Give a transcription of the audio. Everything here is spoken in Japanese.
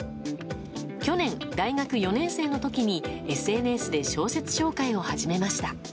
去年、大学４年生の時にＳＮＳで小説紹介を始めました。